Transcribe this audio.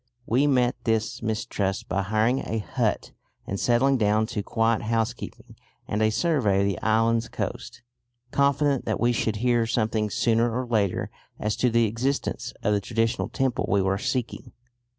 We met this mistrust by hiring a hut and settling down to quiet housekeeping and a survey of the island's coast, confident that we should hear something sooner or later as to the existence of the traditional temple we were seeking.